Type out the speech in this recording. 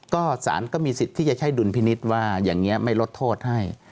ก็สารก็มีสิทธิ์ที่จะใช้ดุลพินิษฐ์ว่าอย่างนี้ไม่ลดโทษให้